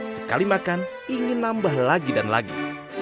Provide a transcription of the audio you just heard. sekali makan ingin nambah lagi dan lagi